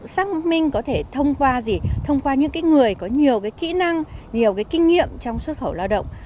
xác minh có thể thông qua những người có nhiều kỹ năng nhiều kinh nghiệm trong xuất khẩu lao động